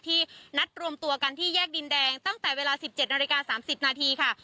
นัดรวมตัวกันที่แยกดินแดงตั้งแต่เวลา๑๗นาฬิกา๓๐นาทีค่ะ